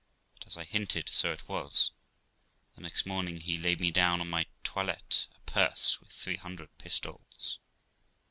But, as I hinted, so it was; the next morning he laid me down on my toilet a purse with three hundred pistoles.